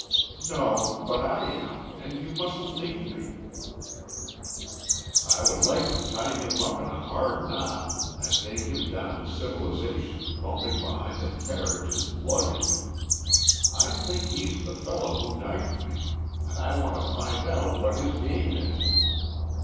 "No, but I am, and you mustn't leave me." "I would like to tie him up in a hard knot and take him down to civilisation bumping behind the carriage as luggage. I think he's the fellow who knifed me, and I want to find out what his game is."